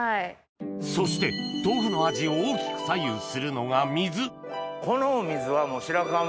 そして豆腐の味を大きく左右するのが水このお水は。